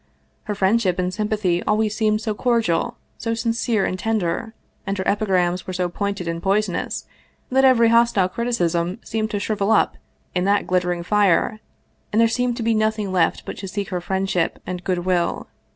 Her friendship and sym pathy always seemed so cordial, so sincere and tender, and her epigrams were so pointed and poisonous, that every hos tile criticism seemed to shrivel up in that glittering fire, and there seemed to be nothing left but to seek her friend ship and good will.